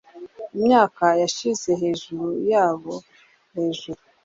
Imyaka yashize hejuru yabo hejuru